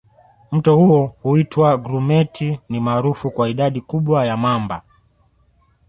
Mto huo huitwa Grumeti ni maarufu kwa idadi kubwa ya mamba